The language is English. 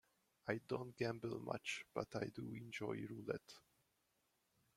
I don't gamble much, but I do enjoy roulette.